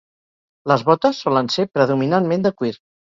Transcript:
Les botes solen ser predominantment de cuir.